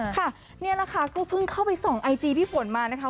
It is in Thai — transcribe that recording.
ค่ะนี่แหละค่ะก็เพิ่งเข้าไปส่องไอจีพี่ฝนมานะคะ